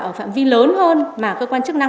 ở phạm vi lớn hơn mà cơ quan chức năng